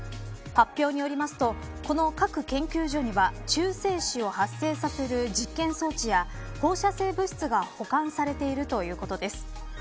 発表によりますとこの核研究所には中性子を発生させる実験装置や放射性物質が保管されているということです。